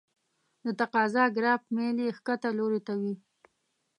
د تقاضا ګراف میل یې ښکته لوري ته وي.